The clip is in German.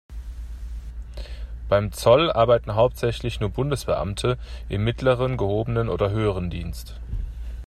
Beim Zoll arbeiten hauptsächlich nur Bundesbeamte im mittleren, gehobenen oder höheren Dienst.